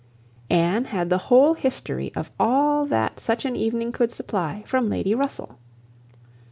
Anne had the whole history of all that such an evening could supply from Lady Russell.